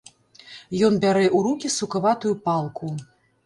Ён бярэ ў рукі сукаватую палку.